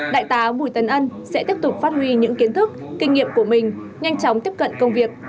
đại tá bùi tấn ân sẽ tiếp tục phát huy những kiến thức kinh nghiệm của mình nhanh chóng tiếp cận công việc